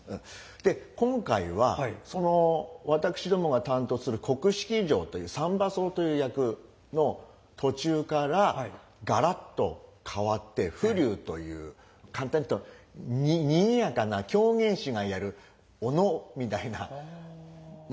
で今回はその私どもが担当する黒式尉という三番叟という役の途中からガラッと変わって風流という簡単にいうとにぎやかな狂言師がやるお能みたいなものになるんですよ。